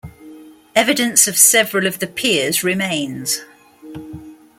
Evidence of several of the piers remains.